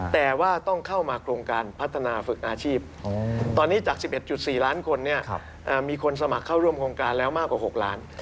แต่ว่าต้องเข้ามาโครงการพัฒนาฝึกอาชีพตอนนี้จาก๑๑๔ล้านคนมีคนสมัครเข้าร่วมโครงการแล้วมากกว่า๖ล้าน